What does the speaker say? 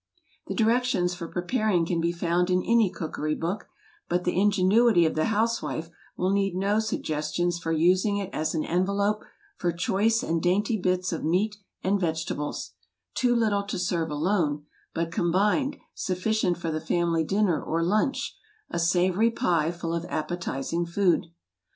The directions for preparing can be found in any cookery book, but the ingenuity of the housewife will need no suggestions for using it as an envelope for choice and dainty bits of meat and vegetables, too little to serve alone, but, combined, sufficient for the family dinner or lunch, a savory pie full of appetizing food.